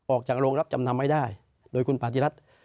ออกจากโรงรับจำนำไม่ได้โดยคุณปฏิรัติ